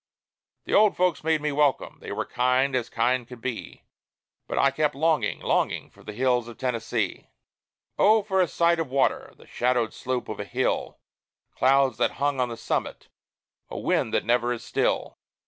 The old folks made me welcome; they were kind as kind could be; But I kept longing, longing, for the hills of Tennessee. Oh! for a sight of water, the shadowed slope of a hill! Clouds that hang on the summit, a wind that never is still!